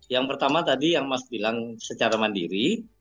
yang pertama tadi yang mas bilang secara mandiri